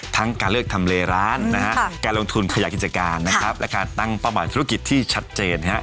ทั้งการเลือกทำเลร้านการลงทุนขยะกิจการและการตั้งประมาณธุรกิจที่ชัดเจน